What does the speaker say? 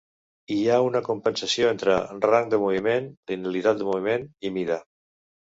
Hi ha una compensació entre rang de moviment, linealitat de moviment i mida.